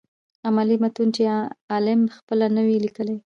امالي متون چي عالم خپله نه وي ليکلي.